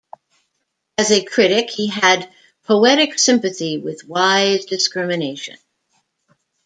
As a critic he had poetic sympathy with wise discrimination.